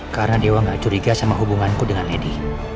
karena dewa gak curiga sama hubunganku dengan lady